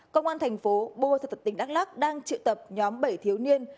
công an thành phố bô thật thật tỉnh đắk lắc đang triệu tập nhóm bảy thiếu niên